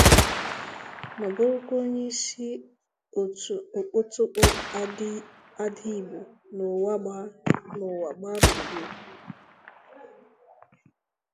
ma bụrụkwa onyeisi òtù Okpotokpo Adaigbo n'ụwa gbaa gburugburu